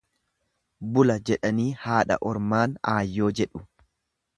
"Bula jedhanii haadha ormaan ""aayyoo"" jedhu."